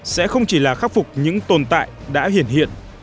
sẽ không chỉ là khắc phục những tồn tại đã hiện hiện